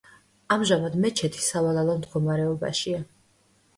ამჟამად მეჩეთი სავალალო მდგომარეობაშია.